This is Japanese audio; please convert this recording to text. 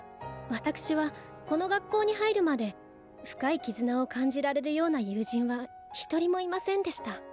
わたくしはこの学校に入るまで深い絆を感じられるような友人は一人もいませんでした。